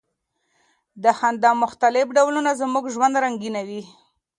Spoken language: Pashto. د خندا مختلف ډولونه زموږ ژوند رنګینوي.